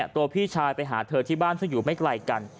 ตัวพี่ชายไปหาเธอที่บ้านซึ่งอยู่ไม่ไกลกัน